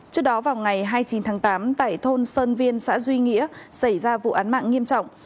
trước đó vào ngày hai mươi chín tháng tám tại thôn sơn viên xã duy nghĩa xảy ra vụ án mạng nghiêm trọng